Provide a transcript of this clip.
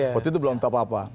waktu itu belum tak apa apa